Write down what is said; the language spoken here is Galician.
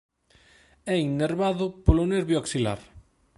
É innervado polo nervio axilar.